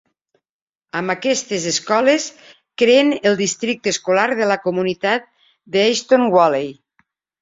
Amb aquestes escoles creen el districte escolar de la comunitat d'Easton Valley.